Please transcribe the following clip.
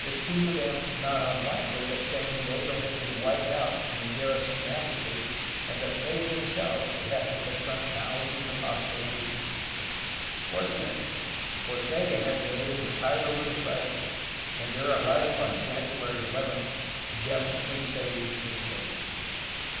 It seemed to them not unlikely that San Diego had been wiped out and the garrison massacred and that they them selves would have to confront thousands of hostile natives. Fortunately, Ortega had been able to tide over the crisis, and their arrival on January 11 definitely saved the situa tion.